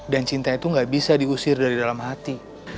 dan cinta itu gak bisa diusir dari dalam hati